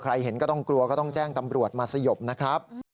เห็นก็ต้องกลัวก็ต้องแจ้งตำรวจมาสยบนะครับ